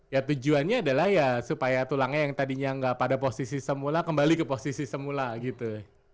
ya tujuannya adalah ya supaya tulangnya yang tadinya nggak pada posisi semula kembali ke posisi semula gitu